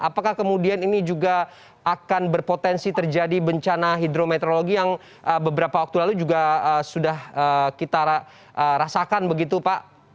apakah kemudian ini juga akan berpotensi terjadi bencana hidrometeorologi yang beberapa waktu lalu juga sudah kita rasakan begitu pak